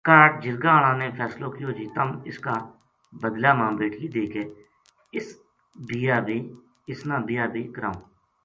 کاہڈ جرگا ہالاں نے فیصلو کیو جے تَم اس کا بَدلا ما بیٹکی دے کے اس بیاہ بے کراؤں